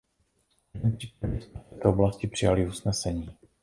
V každém případě jsme v této oblasti přijali usnesení.